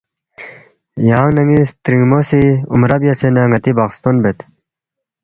یانگ نہ ن٘ی سترِنگمو سی عمرہ بیاسے نہ ن٘دان٘ی بخستون بید